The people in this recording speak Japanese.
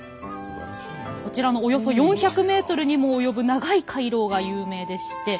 こちらのおよそ４００ｍにも及ぶ長い回廊が有名でして。